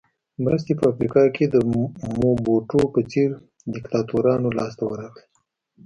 مرستې په افریقا کې د موبوټو په څېر دیکتاتورانو لاس ته ورغلې.